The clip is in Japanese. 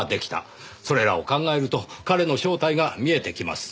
それらを考えると彼の正体が見えてきます。